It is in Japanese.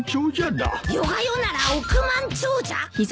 世が世なら億万長者？